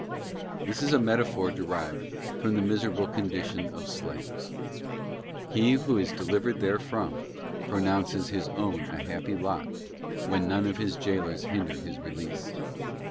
This is a metaphor derived from the miserable _ condition of slaves. He who is delivered therefrom, pro ¥_ nounces his own a happy lot when none of his jailers hinder his release.